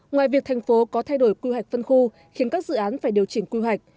ngoài việc thành phố có thay đổi quy hoạch phân khu khiến các dự án phải điều chỉnh quy hoạch